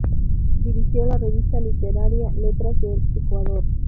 Dirigió la revista literaria "Letras del Ecuador".